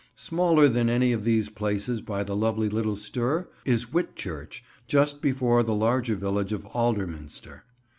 Smaller than any of these places by the lovely little Stour is Whitchurch, just before the larger village of Alderminster.